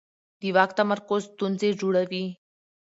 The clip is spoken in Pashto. د واک تمرکز ستونزې جوړوي